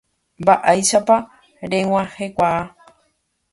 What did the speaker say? Mba'éichapa reg̃uahẽkuaa.